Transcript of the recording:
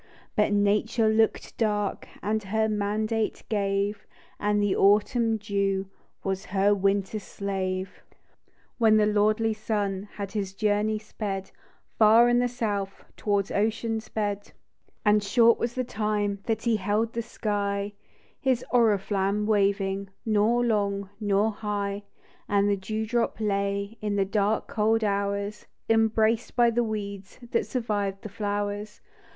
But Nature looked dark, And her mandate gave, And the autumn dew Was her winter slave, When the lordly sun Had his journey sped, Far in the south, Towards ocean's bed ; 80 THE DEW DROP. And short was the time That he held the sky, His oriflamb waving Xor long nor high ; And the dew drop lay In the dark cold hours, Embraced by the weeds That survived the flowers.